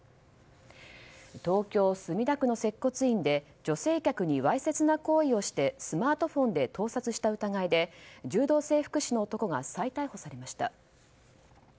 東京・墨田区の接骨院で女性客にわいせつな行為をしてスマートフォンで盗撮した疑いで柔道整復師の男が再逮捕されました。